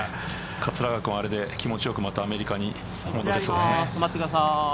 桂川君はあれでまた気持ちよくアメリカに戻れそうですね。